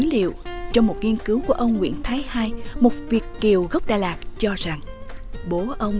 xin thưa quý vị mời quý vị theo dõi các bài tập viết mở rối